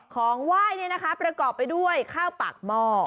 ของไหว้ประกอบไปด้วยข้าวปากหม้อ